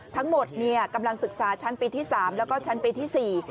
ทั้งหมดกำลังศึกษาชั้นปีที่๓แล้วก็ชั้นปีที่๔